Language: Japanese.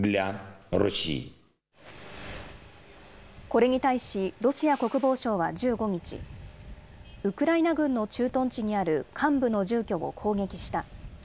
これに対しロシア国防省は１５日、ウクライナ軍の駐屯地にある幹部の住居を攻撃した。